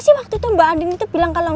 berarti kamu mau ngelakuin sama aku